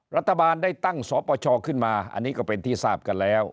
รัฐบาลได้ตั้งสปชขึ้นมาอันนี้ก็เป็นที่ทราบกันแล้ว